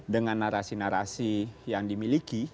dengan narasi narasi yang dimiliki